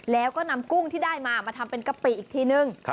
แล้วก็นำกุ้งที่ได้มามาทำเป็นกะปิอีกทีนึง